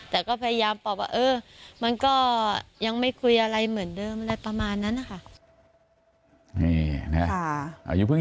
แล้วก็พยายามปลอกว่ามันก็ยังไม่คุยอะไรเหมือนเดิมคง